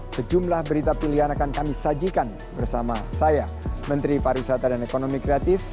sejumlah berita pilihan akan kami sajikan bersama saya menteri pariwisata dan ekonomi kreatif